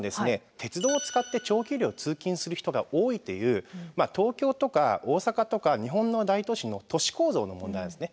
鉄道を使って長距離を通勤する人が多いという東京とか大阪とか日本の大都市の都市構造の問題なんですね。